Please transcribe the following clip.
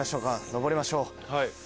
上りましょう。